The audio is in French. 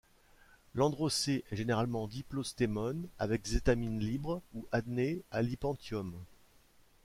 L'androcée est généralement diplostémone avec des étamines libres ou adnés à l'hypanthium.